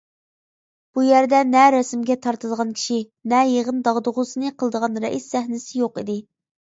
بۇ يەردە نە رەسىمگە تارتىدىغان كىشى، نە يىغىن داغدۇغىسىنى قىلىدىغان رەئىس سەھنىسى يوق ئىدى.